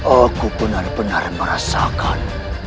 aku benar benar merasakan